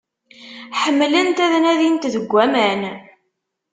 Ḥemmlent ad nadint deg aman.